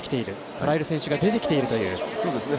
とらえる選手が出てきているという。